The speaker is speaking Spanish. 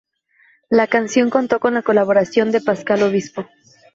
La canción contó con la colaboración de Pascal Obispo.